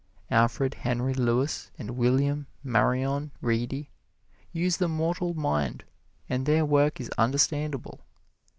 Alfred Henry Lewis and William Marion Reedy use the mortal mind, and their work is understandable.